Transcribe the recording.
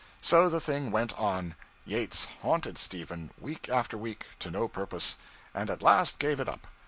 So the thing went on. Yates haunted Stephen week after week, to no purpose, and at last gave it up.